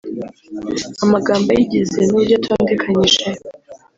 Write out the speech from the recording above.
amagambo ayigize n’uburyo atondekanyije